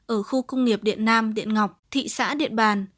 ở khu công nghiệp điện nam điện ngọc thị xã điện bàn